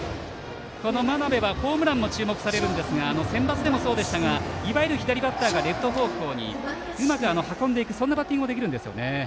この真鍋はホームランも注目されるんですがセンバツでもそうでしたがいわゆる左バッターがレフト方向にうまく運ぶバッティングもできるんですよね。